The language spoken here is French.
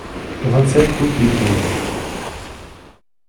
vingt-sept route d'Ecouves